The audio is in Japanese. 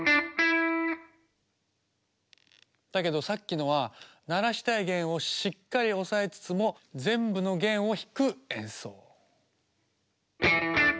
だけどさっきのは鳴らしたい弦をしっかり押さえつつも全部の弦を弾く演奏。